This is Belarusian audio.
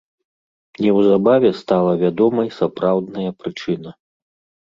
Неўзабаве стала вядомай сапраўдная прычына.